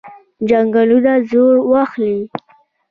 جنګونه زور واخلي.